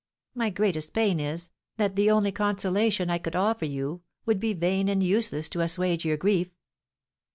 My greatest pain is, that the only consolation I could offer you would be vain and useless to assuage your grief."